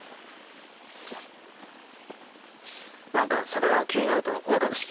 何か坂が急になるとワクワクしてきません？